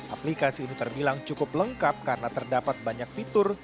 aplikasi ini terbilang cukup lengkap karena terdapat banyak fitur